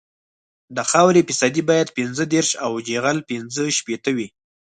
د خاورې فیصدي باید پنځه دېرش او جغل پینځه شپیته وي